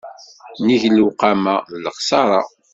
Nnig lewqama d lexṣaṛa.